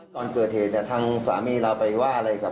ก่อนเกิดเดชน์ทางสามีราไปว่าอะไร